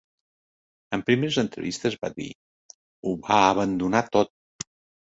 En primeres entrevistes, va dir: "Ho va abandonar tot..."